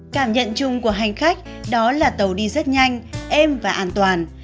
cảm nhận chung của hành khách đó là tàu đi rất nhanh êm và an toàn